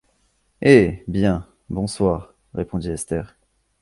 Eh! bien, bonsoir, répondit Esther.